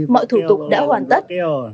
mọi thủ tục đã hoàn tất